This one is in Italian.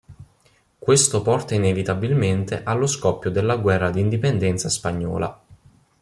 Questo porta inevitabilmente allo scoppio della guerra d'indipendenza spagnola.